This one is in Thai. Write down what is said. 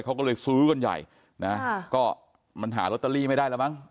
เขาก็เลยซื้อกันใหญ่นะก็มันหาลอตเตอรี่ไม่ได้แล้วมั้ง